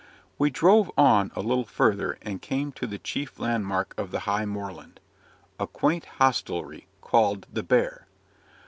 We drove on a little further, and came to the chief landmark of the high moorland a quaint hostelry, called the "Bear."